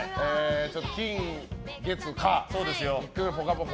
金、月、火、「ぽかぽか」